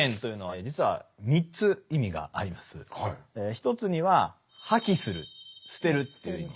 １つには破棄する捨てるという意味。